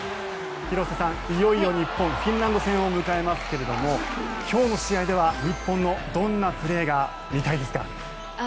広瀬さん、いよいよ日本はフィンランド戦迎えますが今日の試合では日本のどんなプレーが見たいですか？